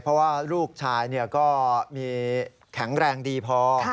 เพราะว่าลูกชายก็มีแข็งแรงดีพอ